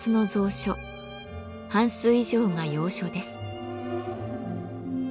半数以上が洋書です。